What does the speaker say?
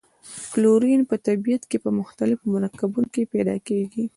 کلورین په طبیعت کې په مختلفو مرکبونو کې پیداکیږي.